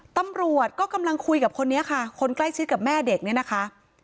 ตำรวจก็กำลังคุยกับคนนี้ค่ะคนใกล้ชิดกับแม่เด็กเนี่ยนะคะ